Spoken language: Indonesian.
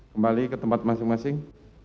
kembali ke tempat masing masing